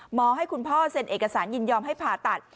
ให้คุณพ่อเซ็นเอกสารยินยอมให้ผ่าตัด